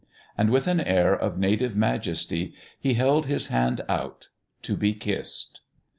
And with an air of native majesty he held his hand out to be kissed.